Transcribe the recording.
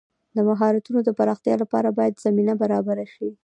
د مهارتونو د پراختیا لپاره باید زمینه برابره شي.